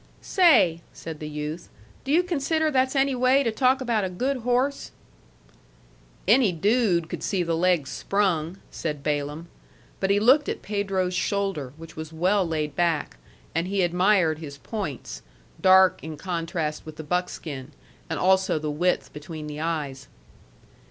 "Say," said the youth, "do you consider that's any way to talk about a good horse?" "Any dude could see the leg's sprung," said Balaam. But he looked at Pedro's shoulder, which was well laid back; and he admired his points, dark in contrast with the buckskin, and also the width between the eyes.